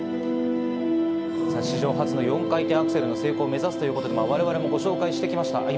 史上初の４回転アクセルの成功を目指すということで我々もご紹介してきました。